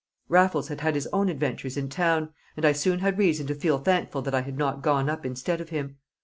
Raffles had had his own adventures in town, and I soon had reason to feel thankful that I had not gone up instead of him.